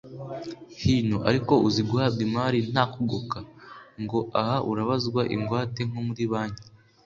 hino !!! ariko uzi guhabwa imari nta kugoka, ngo aha urabazwa ingwate nko muri banki !!